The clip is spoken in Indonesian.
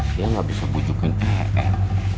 dia gak bisa bujukin em